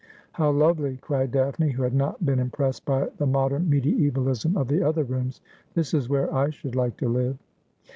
' How lovely !' cried Daphne, who had not been impressed by the modern meditevalism of the other rooms. ' This is where I should like to live.'